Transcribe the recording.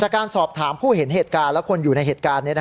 การสอบถามผู้เห็นเหตุการณ์และคนอยู่ในเหตุการณ์